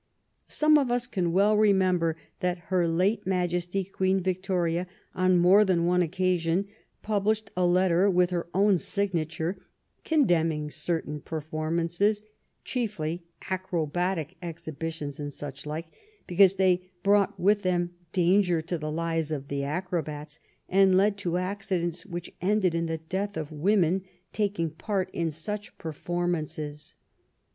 Some of us can well remember that her late Majesty Queen Victoria, on more than one occasion, published a letter with her own signature condemning certain per formances, chiefly acrobatic exhibitions and such like, because they brought with them danger to the lives of the acrobats, and led to accidents which ended in the death of women taking part in such performances.